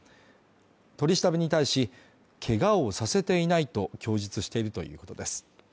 取り調べに対し、けがをさせていないと供述しているということです。